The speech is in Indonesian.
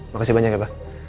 makasih banyak ya pak